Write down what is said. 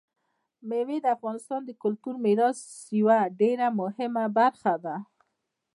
مېوې د افغانستان د کلتوري میراث یوه ډېره مهمه برخه ده.